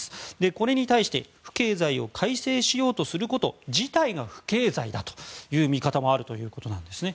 これに対して不敬罪を改正しようとすること自体が不敬罪だという見方もあるということなんですね。